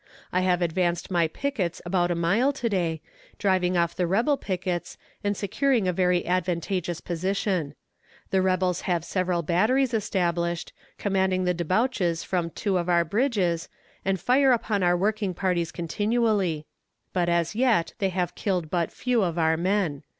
I have advanced my pickets about a mile to day, driving off the rebel pickets and securing a very advantageous position. The rebels have several batteries established, commanding the debouches from two of our bridges, and fire upon our working parties continually; but as yet they have killed but few of our men."